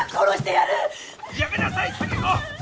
やめなさい竹子！